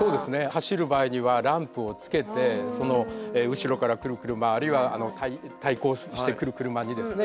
走る場合にはランプをつけてその後ろから来る車あるいは対向してくる車にですね